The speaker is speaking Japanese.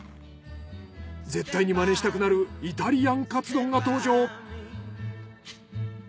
絶対に真似したくなるイタリアンカツ丼が登場。